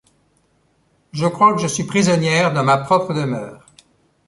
Je crois que je suis prisonnière dans ma propre demeure.